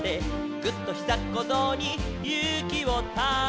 「ぐっ！とひざっこぞうにゆうきをため」